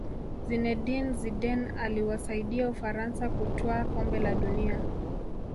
zinedine zidane aliwasaidia ufaransa kutwaa kombe la dunia